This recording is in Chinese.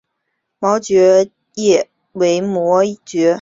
毛叶蕨为膜蕨科毛叶蕨属下的一个种。